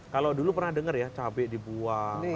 kalau dulu pernah dengar ya cabai dibuang